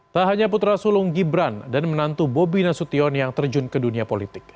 tak hanya putra sulung gibran dan menantu bobi nasution yang terjun ke dunia politik